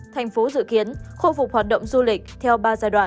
tp hcm dự kiến khổ phục hoạt động du lịch theo ba giai đoạn